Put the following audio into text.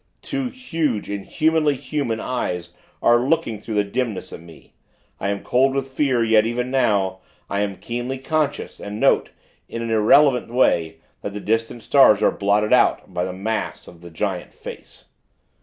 Two huge, inhumanly human, eyes are looking through the dimness at me. I am cold with fear; yet, even now, I am keenly conscious, and note, in an irrelevant way, that the distant stars are blotted out by the mass of the giant face.